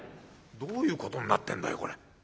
どういうことになってんだよこれ。